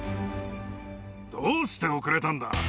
どうして遅れたんだ？